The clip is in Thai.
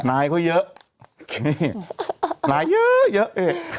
นายก็เยอะเยอะเยอะเยอะ